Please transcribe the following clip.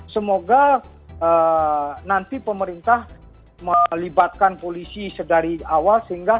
semoga nanti pemerintah melibatkan polisi dari awal